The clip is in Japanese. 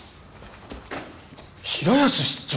平安室長！？